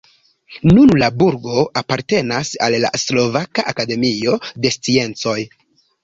Nun la burgo apartenas al la Slovaka Akademio de Sciencoj.